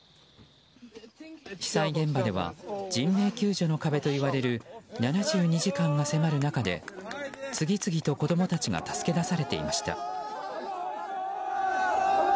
被災現場では人命救助の壁といわれる７２時間が迫る中で次々と子供たちが助け出されていました。